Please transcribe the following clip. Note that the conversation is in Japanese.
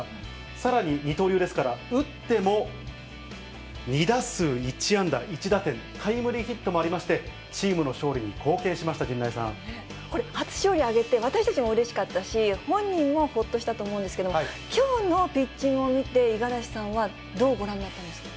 さらに二刀流ですから、打っても２打数１安打１打点、タイムリーヒットもありまして、チームの勝利に貢献しました、これ、初勝利挙げて、私たちもうれしかったし、本人もほっとしたと思うんですけれども、きょうのピッチングを見て、五十嵐さんはどうご覧になってましたか。